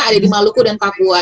ada di maluku dan papua